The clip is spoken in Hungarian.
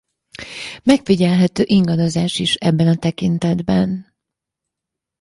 Megfigyelhető ingadozás is ebben a tekintetben.